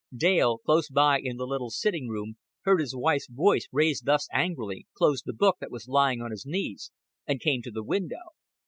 Dale, close by in the little sitting room, heard his wife's voice raised thus angrily, closed the book that was lying open on his knees, and came to the window.